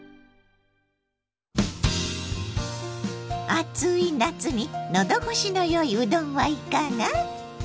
暑い夏に喉越しの良いうどんはいかが？